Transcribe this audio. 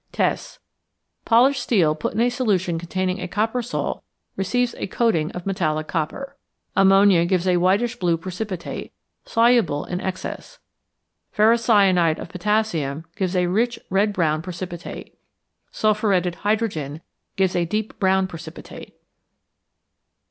Tests. Polished steel put into a solution containing a copper salt receives a coating of metallic copper. Ammonia gives a whitish blue precipitate, soluble in excess. Ferrocyanide of potassium gives a rich red brown precipitate. Sulphuretted hydrogen gives a deep brown precipitate.